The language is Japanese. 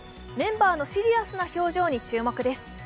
メンバーのシリアスな表情に注目です。